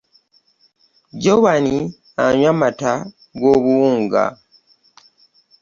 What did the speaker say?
Joan anywa mata g'obuwunga .